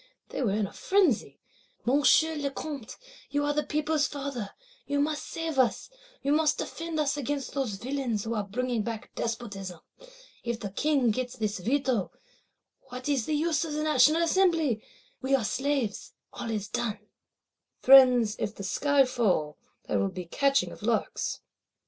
They were in a frenzy: 'Monsieur le Comte, you are the people's father; you must save us; you must defend us against those villains who are bringing back Despotism. If the King get this Veto, what is the use of National Assembly? We are slaves, all is done.'" Friends, if the sky fall, there will be catching of larks!